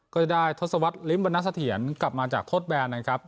ก็จะได้ทศวรรษลิฟต์บรรนัสเถียนกลับมาจากโทษแบรนด์นะครับ